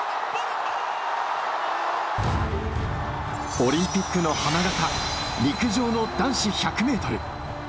オリンピックの花形陸上の男子１００ｍ。